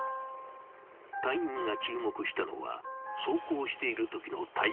［隊員が注目したのは走行しているときの］